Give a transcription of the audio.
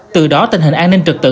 từ đó tình hình an ninh trực tự